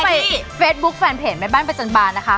ในเฟซบุ๊คแฟนเพจแม่บ้านประจันบาลนะคะ